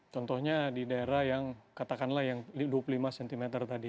contohnya di daerah yang katakanlah yang dua puluh lima cm tadi